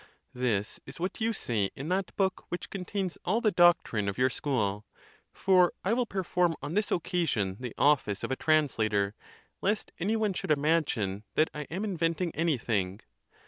This is what you say in that book which contains all the doctrine of your school; for I will perform on this occasion the office of a translator, lest any one should imagine that I am invent ing anything.